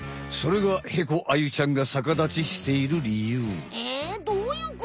それがヘコアユちゃんが逆立ちしている理由。